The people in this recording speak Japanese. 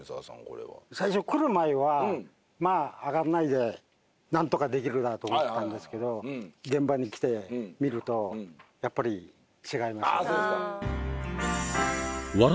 これは最初来る前はまあ上がんないで何とかできるなと思ってたんですけど現場に来てみるとやっぱり違いますねああ